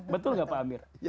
betul gak pak amir